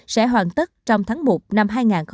sẽ hoàn tất trong tháng một năm hai nghìn hai mươi